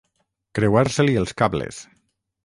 Creuar-se-li els cables.